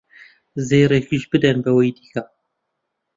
زێڕێکیش بدەن بەوی دیکە